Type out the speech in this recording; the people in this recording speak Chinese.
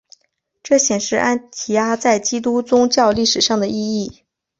这显示安提阿在基督宗教历史上的意义。